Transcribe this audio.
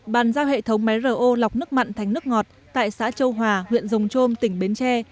bàn giao hệ thống máy ro lọc nước mặn thành nước ngọt tại xã châu hòa huyện rồng trôm tỉnh bến tre